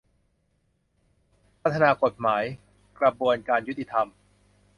พัฒนากฎหมาย กระบวนการยุติธรรม